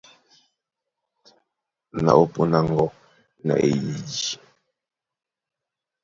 Na ó póndá á ŋgɔ̌ na eyididi.